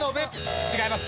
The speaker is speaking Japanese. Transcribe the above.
違います。